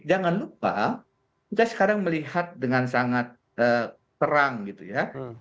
jangan lupa kita sekarang melihat dengan sangat terang gitu ya